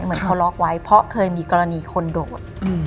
เหมือนเขาล็อกไว้เพราะเคยมีกรณีคนโดด